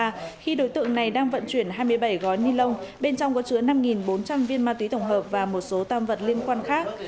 khi đối tượng này đang vận chuyển hai mươi bảy gói ni lông bên trong có chứa năm bốn trăm linh viên ma túy tổng hợp và một số tam vật liên quan khác